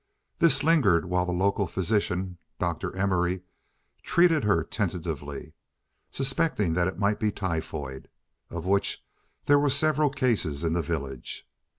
This lingered while the local physician, Dr. Emory, treated her tentatively, suspecting that it might be typhoid, of which there were several cases in the village.